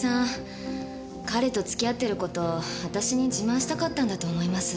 彼と付き合ってる事を私に自慢したかったんだと思います。